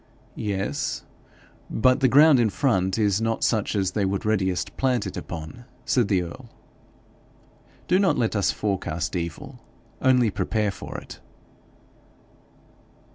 'Yes, but the ground in front is not such as they would readiest plant it upon,' said the earl. 'Do not let us forecast evil, only prepare for it.'